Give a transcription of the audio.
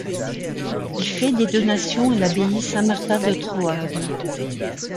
Il fait des donations à l'abbaye Saint-Martin de Troarn.